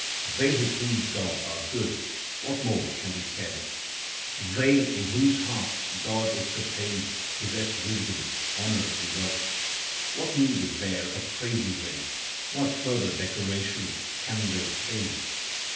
They who please God are good ; what more can be said ? They in whose heart God is contained possess wisdom, honour, and wealth. What need is there of praising them ? What further decoration can they obtain